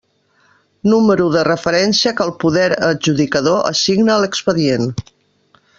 Número de referència que el poder adjudicador assigna a l'expedient.